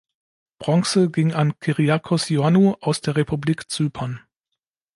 Bronze ging an Kyriakos Ioannou aus der Republik Zypern.